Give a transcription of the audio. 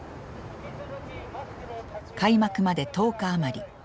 開幕まで１０日余り。